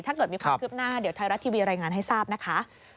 ถ้าเกิดมีความคืบหน้าเดี๋ยวไทยรัฐทีวีรายงานให้ทราบนะคะ